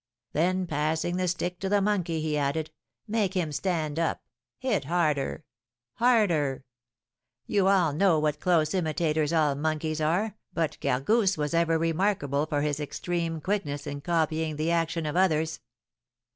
Then passing the stick to the monkey, he added, 'Make him stand up! Hit harder! harder!' You all know what close imitators all monkeys are, but Gargousse was ever remarkable for his extreme quickness in copying the actions of others.